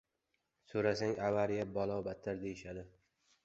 Soʻrasang, avariya, balo-battar deyishadi.